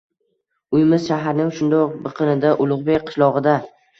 Uyimiz shaharning shundoq biqinida Ulug‘bek qishlog‘ida